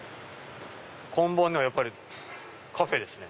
看板にはやっぱりカフェですね。